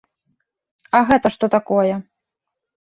А гэта што такое?